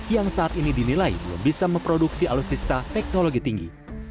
yang saat ini dinilai belum bisa memproduksi alutsista teknologi tinggi